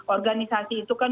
organisasi itu kan